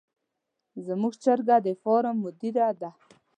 زموږ چرګه د فارم مدیره ده.